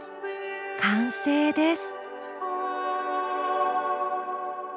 完成です。